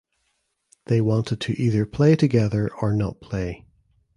They wanted to either play together or not play.